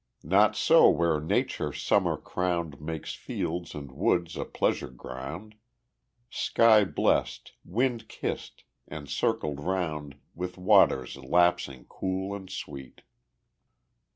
Not so where nature summer crowned Makes fields and woods a pleasure ground, Sky blest, wind kissed, and circled round With waters lapsing cool and sweet.